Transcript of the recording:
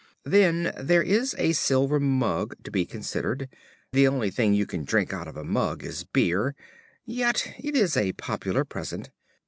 Then there is a silver mug to be considered. The only thing you can drink out of a mug is beer; yet it is a popular present.